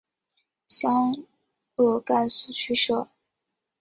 湘鄂赣苏区设。